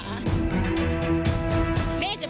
สวัสดีครับ